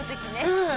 うん。